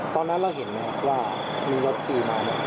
ตอนนั้นเราเห็นไหมว่ามีรถชี้มาก